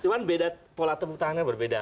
cuma beda pola tepuk tangannya berbeda